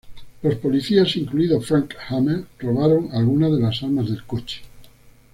Los policías, incluido Frank Hamer, robaron algunas de las armas del coche.